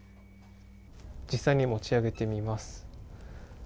実際に持ち上げてみます。